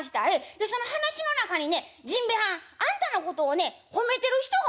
でその話の中にね甚兵衛はんあんたのことをね褒めてる人がおましたで」。